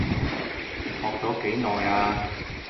學咗幾耐啊？